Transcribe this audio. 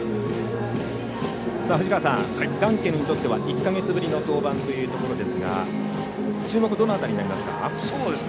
ガンケルにとっては１か月ぶりの登板ですが注目、どの辺りになりますか。